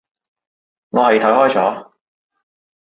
我係睇開咗